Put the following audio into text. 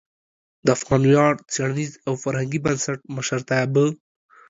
د افغان ویاړ څیړنیز او فرهنګي بنسټ مشرتابه